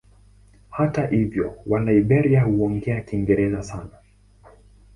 Hata hivyo watu wa Liberia huongea Kiingereza sana.